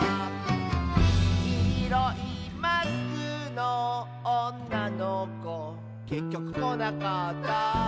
「きいろいマスクのおんなのこ」「けっきょくこなかった」